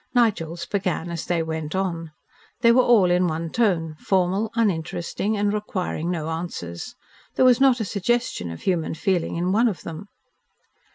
Nigel's began as they went on. They were all in one tone, formal, uninteresting, and requiring no answers. There was not a suggestion of human feeling in one of them.